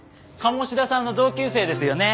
鴨志田さんの同級生ですよね？